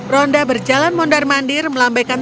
ronda berjalan mondar mandir melambaikan